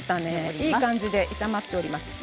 いい感じで炒まってます。